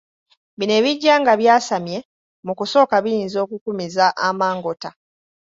Bino ebijja nga byasamye, mu kusooka biyinza okukumiza amangota.